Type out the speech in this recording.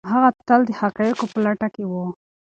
هغه تل د حقایقو په لټه کي و.